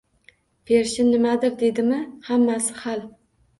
Pershin nimadir dedimi, hammasi hal.